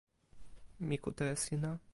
mi kute e sina.